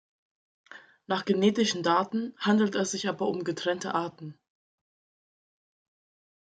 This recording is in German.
Nach genetischen Daten handelt es sich aber um getrennte Arten.